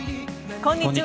こんにちは。